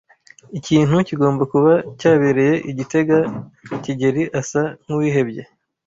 Ikintu kigomba kuba cyabereye i gitega. kigeli asa nkuwihebye.